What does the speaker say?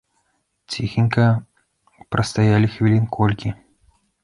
Ціхенька прастаялі хвілін колькі.